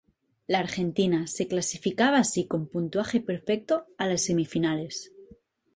La Argentina se clasificaba así con puntaje perfecto a las semifinales.